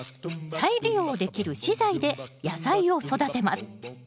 再利用できる資材で野菜を育てます。